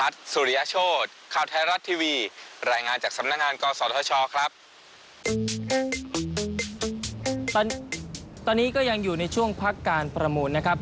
ตอนนี้ก็ยังอยู่ในช่วงพักการประมูลนะครับ